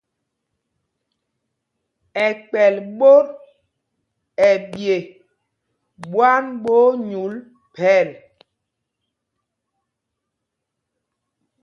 Ɛkɛl ɓɛ́l ɓot ɛɓye ɓwán ɓɛ onyûl phɛl.